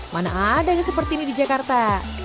mana adanya seperti ini di jakarta